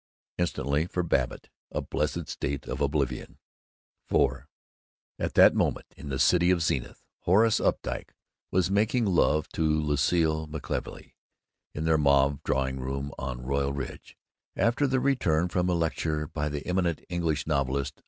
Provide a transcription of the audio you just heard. Instantly, for Babbitt, a blessed state of oblivion. IV At that moment in the city of Zenith, Horace Updike was making love to Lucile McKelvey in her mauve drawing room on Royal Ridge, after their return from a lecture by an eminent English novelist.